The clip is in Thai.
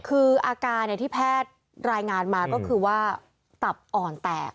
คืออาการที่แพทย์รายงานมาก็คือว่าตับอ่อนแตก